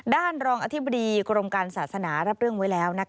รองอธิบดีกรมการศาสนารับเรื่องไว้แล้ว